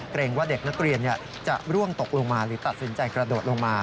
ว่าเด็กนักเรียนจะร่วงตกลงมาหรือตัดสินใจกระโดดลงมา